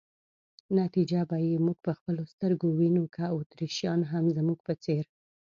نتیجه به یې موږ په خپلو سترګو وینو، که اتریشیان هم زموږ په څېر.